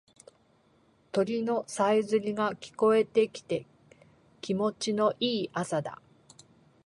鳥のさえずりが聞こえてきて気持ちいい朝だ。